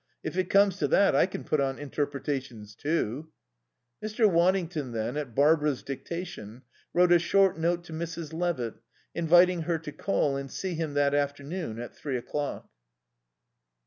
If it comes to that, I can put on interpretations too." Mr. Waddington then, at Barbara's dictation, wrote a short note to Mrs. Levitt inviting her to call and see him that afternoon at three o'clock.